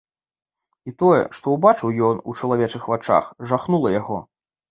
І тое, што ўбачыў ён у чалавечых вачах, жахнула яго.